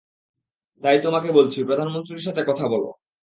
তাই তোমাকে বলছি, প্রধানমন্ত্রীর সাথে কথা বলো।